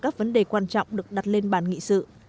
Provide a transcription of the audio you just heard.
các vấn đề quan trọng được đặt lên bàn nghị sự